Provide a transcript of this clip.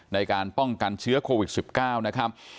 ในการป้องกันเชื้อโควิด๑๙นะครับ